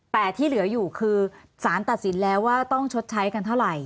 แต่ที่เหลืออยู่คือสารตัดสินแล้วว่าต้องชดใช้กันเท่าไหร่